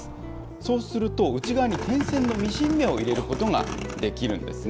そうすると、内側に点線のミシン目を入れることができるんですね。